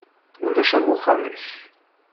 Ulac am uxxam-ik.